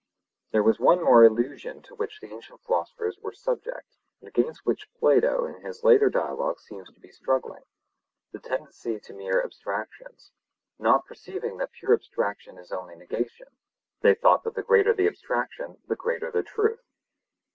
There was one more illusion to which the ancient philosophers were subject, and against which Plato in his later dialogues seems to be struggling—the tendency to mere abstractions; not perceiving that pure abstraction is only negation, they thought that the greater the abstraction the greater the truth.